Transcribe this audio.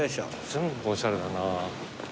全部おしゃれだな。